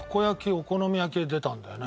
お好み焼きが出たんだよね。